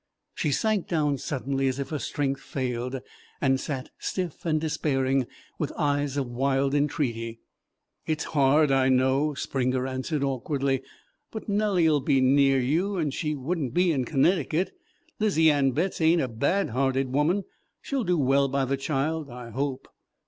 She sank down suddenly as if her strength failed, and sat stiff and despairing, with eyes of wild entreaty. "It's hard, I know," Springer answered awkwardly, "but Nellie'll be near you, and she would n't be in Connecticut. 'Lizy Ann Betts ain't a bad hearted woman. She'll do well by the child, I hope."